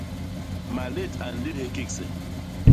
Malét a nlédés kégse.